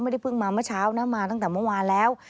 ไม่ได้เพิ่งมาเมื่อเช้านะมาตั้งแต่เมื่อวานแล้ว